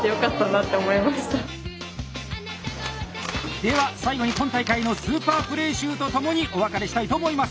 では最後に今大会のスーパープレー集と共にお別れしたいと思います！